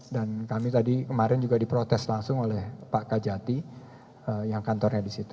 dan kami tadi kemarin juga diprotes langsung oleh pak kajati yang kantornya di situ